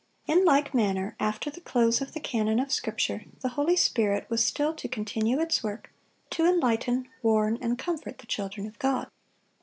In like manner, after the close of the canon of Scripture, the Holy Spirit was still to continue its work, to enlighten, warn, and comfort the children of God.